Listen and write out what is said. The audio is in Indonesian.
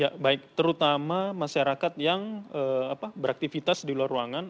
ya baik terutama masyarakat yang beraktivitas di luar ruangan